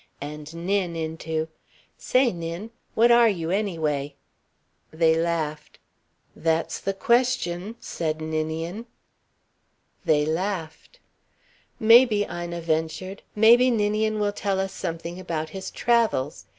And Nin into say, Nin, what are you, anyway?" They laughed. "That's the question," said Ninian. They laughed. "Maybe," Ina ventured, "maybe Ninian will tell us something about his travels.